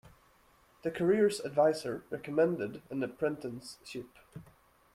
The careers adviser recommended an apprenticeship.